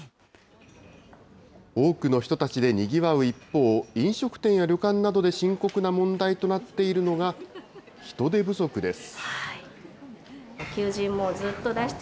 多くの人たちでにぎわう一方、飲食店や旅館などで深刻な問題となっているのが、人手不足です。